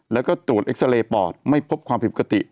แล้วก็ตรวจเอ็กซาเรย์ปอดไม่พบความผิดปกติ